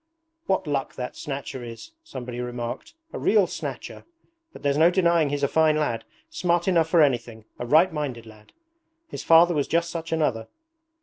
'What luck that Snatcher has,' somebody remarked. 'A real snatcher. But there's no denying he's a fine lad, smart enough for anything, a right minded lad! His father was just such another.